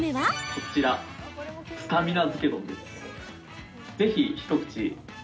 こちらスタミナ漬け丼です。